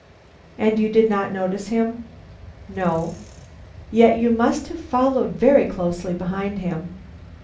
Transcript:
"And you did not notice him?" "No." "Yet you must have followed very closely behind him?"